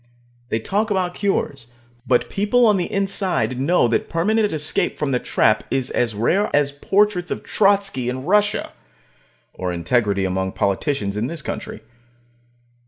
They talk about cures, but people on the inside know that permanent escape from the trap is as rare as portraits of Trotsky in Russia. Or integrity among politicians in this country.